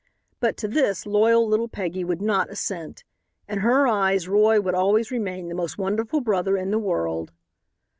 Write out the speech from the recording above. But to this loyal little Peggy would not assent. In her eyes Roy would always remain the most wonderful brother in the world.